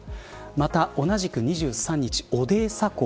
また同じく２３日、オデーサ港。